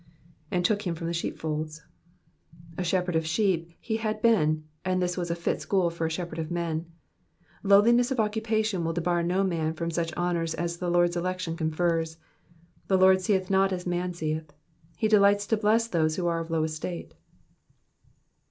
^*'And took him frnm the sheepfoUU.'*'' A shepherd of sheep he had been, and this was a fit school for a shepherd of men. Lowliness of occupation will debar no man from such honours as the Lord ^s election confers, the Lord seeth not as man seeth He delights to bless those who are of low estate.